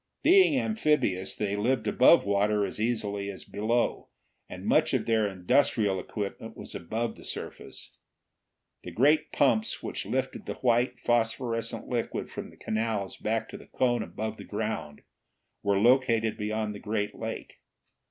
Being amphibious, they lived above water as easily as below, and much of their industrial equipment was above the surface. The great pumps which lifted the white phosphorescent liquid from the canals back to the cone above the ground were located beyond the great lake.